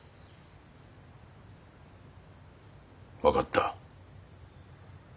分かった。